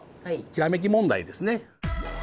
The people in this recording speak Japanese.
ひらめき問題ですね。